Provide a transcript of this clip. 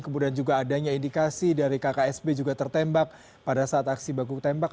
kemudian juga adanya indikasi dari kksb juga tertembak pada saat aksi baku tembak